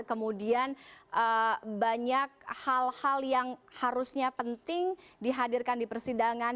kemudian banyak hal hal yang harusnya penting dihadirkan di persidangan